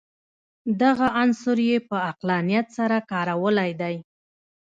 دغه عنصر یې په عقلانیت سره کارولی دی.